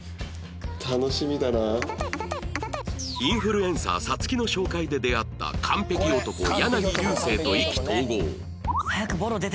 インフルエンサー皐月の紹介で出会った完璧男柳流星と意気投合